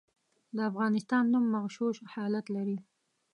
د افغانستان نوم مغشوش حالت لري.